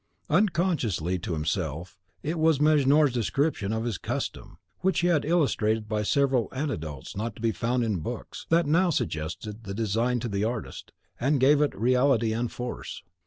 Unconsciously to himself, it was Mejnour's description of this custom, which he had illustrated by several anecdotes not to be found in books, that now suggested the design to the artist, and gave it reality and force.